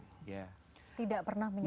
tidak pernah menyebut nama orang